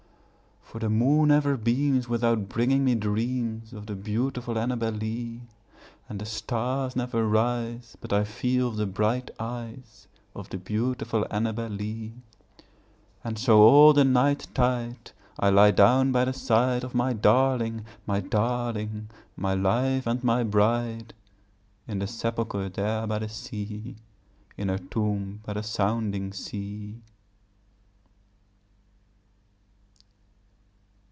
For the moon never beams, without bringing me dreams Of the beautiful Annabel Lee; And the stars never rise, but I feel the bright eyes Of the beautiful Annabel Lee; And so, all the night tide, I lie down by the side Of my darling, my darling, my life and my bride, In her sepulchre there by the sea, In her tomb by the sounding sea.